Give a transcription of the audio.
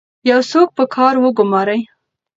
یو څوک په کار وګمارئ.